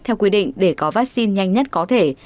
theo quy định để có vaccine nhanh nhất có thể